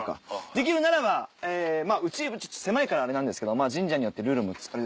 できるならばまぁうち狭いからあれなんですけど神社によってルールも。